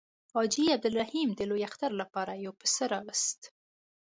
حاجي عبدالرحیم د لوی اختر لپاره یو پسه راووست.